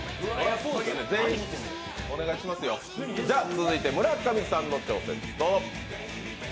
続いて村上さんの挑戦、どうぞ。